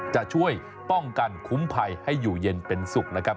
จะช่วยป้องกันคุ้มภัยให้อยู่เย็นเป็นสุขนะครับ